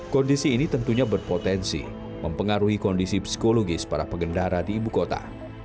kondisi ini tentunya berpotensi mempengaruhi kondisi psikologis para pengendara di ibu kota